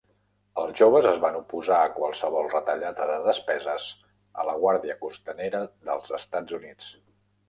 Els joves es van oposar a qualsevol retallada de despeses a la Guàrdia Costanera dels Estats Units.